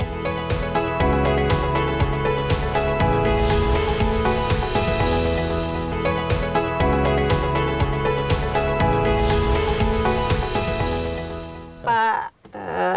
jadi itu yang paling penting